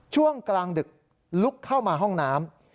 ช่วงกลางดึกลุกเข้ามาห้องน้ำ